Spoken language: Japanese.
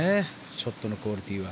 ショットのクオリティーは。